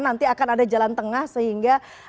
nanti akan ada jalan tengah sehingga